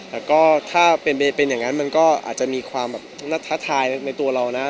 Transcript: แล้วก็ถ้าเป็นอย่างงั้นก็อาจจะมีความให้ทัชาในตัวเราน่ะ